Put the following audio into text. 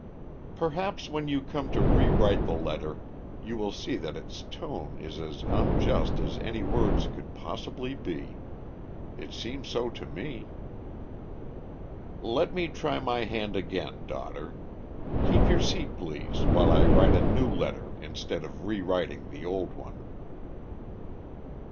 "Perhaps when you come to rewrite the letter you will see that its tone is as unjust as any words could possibly be. It seems so to me." "Let me try my hand again, daughter. Keep your seat please while I write a new letter instead of rewriting the old one."